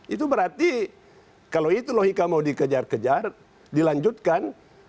itu berarti kalau itu logika mau dikejar kejar dilanjutkan